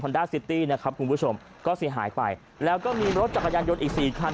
ด้าซิตี้นะครับคุณผู้ชมก็เสียหายไปแล้วก็มีรถจักรยานยนต์อีกสี่คัน